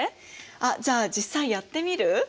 あっじゃあ実際やってみる？